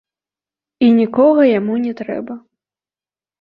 І нікога яму не трэба.